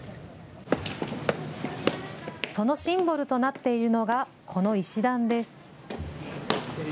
そのシンボルとなっているのがこの石段です。